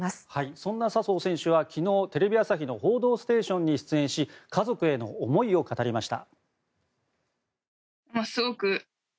そんな笹生選手は昨日、テレビ朝日の「報道ステーション」に出演し家族への思いを語りました。